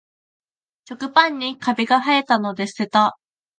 食パンにカビがはえたので捨てた